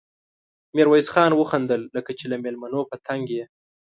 ميرويس خان وخندل: لکه چې له مېلمنو په تنګ يې؟